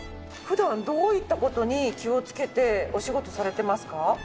普段どういった事に気をつけてお仕事されてますか？